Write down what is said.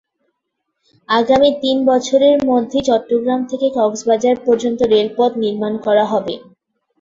আগামী তিন বছরের মধ্যেই চট্টগ্রাম থেকে কক্সবাজার পর্যন্ত রেলপথ নির্মাণ করা হবে।